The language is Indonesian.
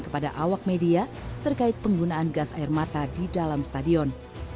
kepada awak media terkait penggunaan gas air mata di dalam stadion